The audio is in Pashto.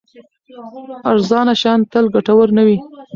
ارزانه شیان تل ګټور نه وي.